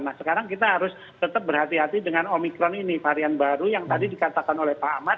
nah sekarang kita harus tetap berhati hati dengan omikron ini varian baru yang tadi dikatakan oleh pak ahmad